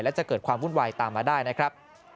และจะเกิดความวุ่นวายตามมาได้นะครับ